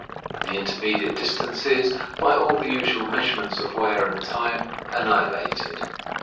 The intermediate distance is, by all the usual measurements of wear and time, annihilated.